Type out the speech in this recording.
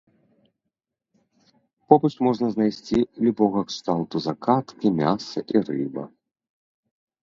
Побач можна знайсці любога кшталту закаткі, мяса і рыба.